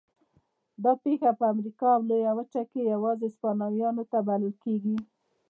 دا پېښه په امریکا لویه وچه کې یوازې هسپانویان نه بلل کېږي.